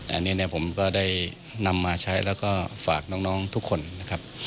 อันนี้เนี่ยผมก็ได้นำมาใช้แล้วก็ฝากน้องทุกคนนะครับ